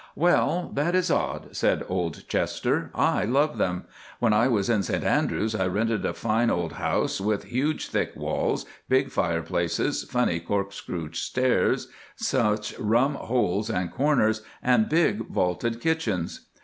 "Well, that is odd," said old Chester, "I love them. When I was in St Andrews I rented a fine old house, with huge thick walls, big fireplaces, funny corkscrew stairs, such rum holes and corners, and big vaulted kitchens.